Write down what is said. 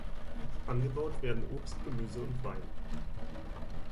Angebaut werden Obst, Gemüse und Wein.